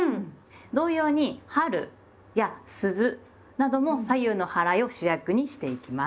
同様に「春」や「鈴」なども左右のはらいを主役にしていきます。